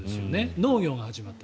農業が始まった。